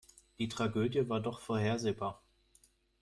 Die Tragödie war doch vorhersehbar.